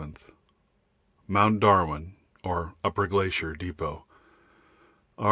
Mount Darwin [or Upper Glacier] Depot, R.